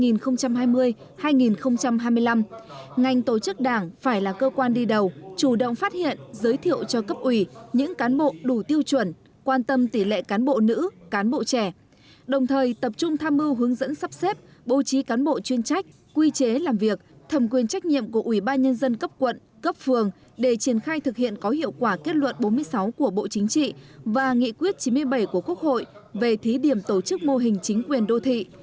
năm hai nghìn hai mươi hai nghìn hai mươi năm ngành tổ chức đảng phải là cơ quan đi đầu chủ động phát hiện giới thiệu cho cấp ủy những cán bộ đủ tiêu chuẩn quan tâm tỷ lệ cán bộ nữ cán bộ trẻ đồng thời tập trung tham mưu hướng dẫn sắp xếp bố trí cán bộ chuyên trách quy chế làm việc thầm quyền trách nhiệm của ủy ban nhân dân cấp quận cấp phường để triển khai thực hiện có hiệu quả kết luận bốn mươi sáu của bộ chính trị và nghị quyết chín mươi bảy của quốc hội về thí điểm tổ chức mô hình chính quyền đô thị